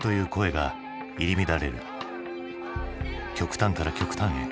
極端から極端へ。